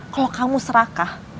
kalau kamu serakah